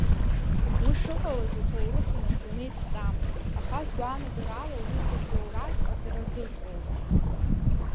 Уи шыҟалаз аҭоурых инагӡаны иҭҵаам, аха сгәаанагарала, уи зыбзоураз аҵарадырроуп…